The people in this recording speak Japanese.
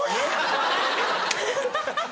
アハハハ。